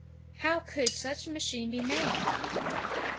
How could such a machine be made?